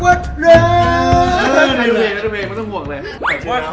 ไม่ต้องห่วงเลย